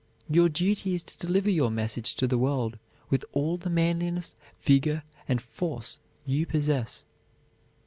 Your duty is to deliver your message to the world with all the manliness, vigor, and force you possess.